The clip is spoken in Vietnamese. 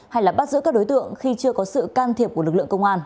hay là bắt giữ các đối tượng khi chưa có sự can thiệp của lực lượng công an